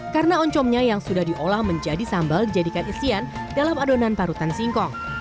karena oncomnya yang sudah diolah menjadi sambal dijadikan isian dalam adonan parutan singkong